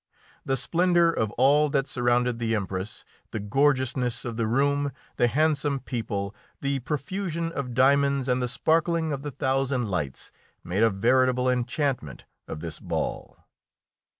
The splendour of all that surrounded the Empress, the gorgeousness of the room, the handsome people, the profusion of diamonds, and the sparkling of the thousand lights made a veritable enchantment of this ball.